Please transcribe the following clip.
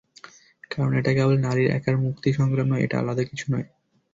কারণ, এটা কেবল নারীর একার মুক্তির সংগ্রাম নয়, এটা আলাদা কিছু নয়।